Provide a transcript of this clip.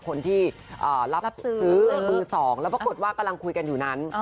คนที่รับซื้อมือสองแล้วปรากฏว่ากำลังคุยกันอยู่นั้น